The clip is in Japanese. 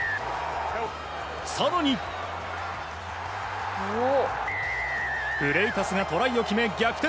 更に、フレイタスがトライを決め逆転。